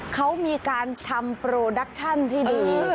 เขามีการทำโปรดักชั่นที่ดี